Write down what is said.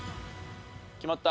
決まった？